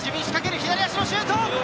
左足のシュート！